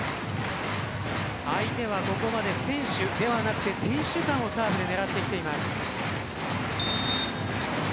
相手は、ここまで選手間をサーブで狙ってきています。